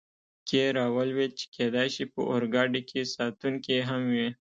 کې را ولوېد، چې کېدای شي په اورګاډي کې ساتونکي هم وي.